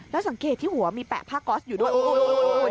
แล้วสังเกตที่หัวมีแปะผ้าก๊อสอยู่ด้วยโอ้โห